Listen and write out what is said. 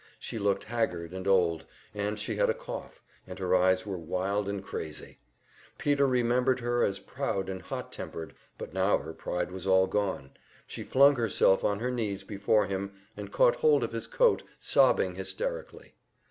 She looked haggard and old, and she had a cough, and her eyes were wild and crazy. Peter remembered her as proud and hot tempered, but now her pride was all gone she flung herself on her knees before him, and caught hold of his coat, sobbing hysterically.